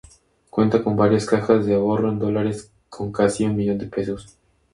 Cuenta con varias Cajas de Ahorro en dólares con casi un millón pesos.